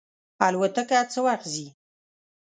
الوتکه څه وخت ځي؟